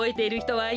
はい。